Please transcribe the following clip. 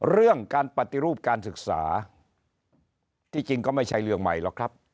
เรื่องการปฏิรูปการศึกษาที่จริงก็ไม่ใช่เรื่องใหม่หรอกครับ